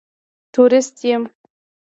تورېست یم.